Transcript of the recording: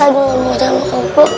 aduh mudah ngobrol